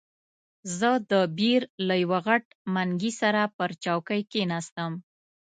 زه د بیر له یوه غټ منګي سره پر چوکۍ کښېناستم.